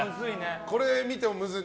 これを見てもむずい。